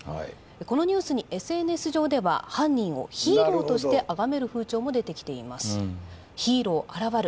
このニュースにＳＮＳ上では犯人をヒーローとしてあがめる風潮も出てきています「ヒーロー現る！」